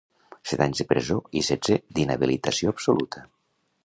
Set anys de presó i setze d’inhabilitació absoluta.